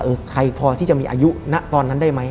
ใช่เชิงใครที่จะมีอายุตอนนั้นได้ไหม